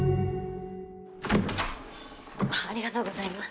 ありがとうございます。